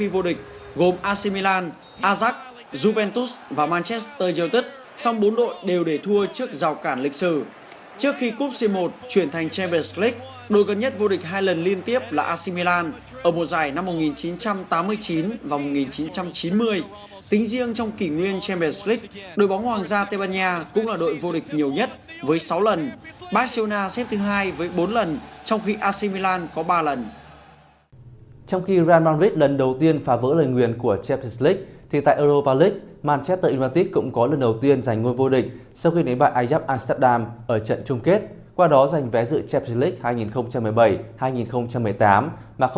qua đó giành vé dự champions league hai nghìn một mươi bảy hai nghìn một mươi tám mà không phải cần nằm trong top bốn tại bảng xếp hạng giải ngoài hàng anh